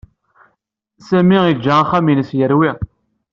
Sami yeǧǧa axxam-nnes yerwi.